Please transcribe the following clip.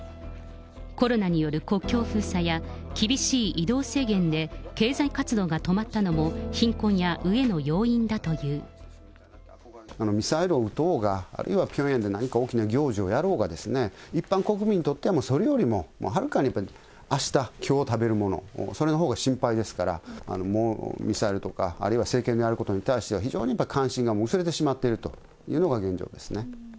コロナによる国境封鎖や厳しい移動制限で、経済活動が止まったのも、ミサイルを撃とうが、あるいはピョンヤンで何か大きな行事をやろうがですね、一般国民にとっては、それよりもはるかにやっぱり、あしたきょう食べるもの、それのほうが心配ですから、もうミサイルとか、あるいは政権であることに対しては、非常に関心が薄れてしまっているというのが現状ですね。